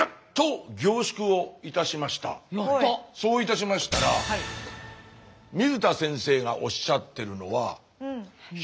そういたしましたら水田先生がおっしゃってるのは。